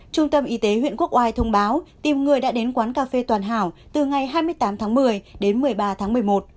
trung tâm y tế huyện quốc oai thông báo tìm người đã đến quán cà phê toàn hảo từ ngày hai mươi tám tháng một mươi đến một mươi ba tháng một mươi một